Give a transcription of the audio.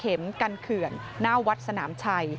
เข็มกันเขื่อนหน้าวัดสนามชัย